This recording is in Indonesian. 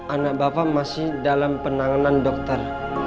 anak bapak masih dalam penanganan dokter